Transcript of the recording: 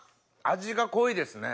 味が濃いですね。